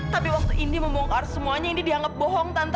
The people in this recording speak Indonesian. tapi waktu indi membongkar semuanya indi dianggap bohong tante